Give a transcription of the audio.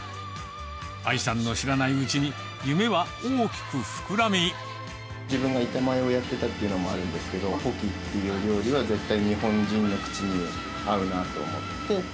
あいさんの知らないうちに、自分が板前をやってたっていうのもあるんですけど、ポキっていう料理は、絶対日本人の口にも合うなと思って。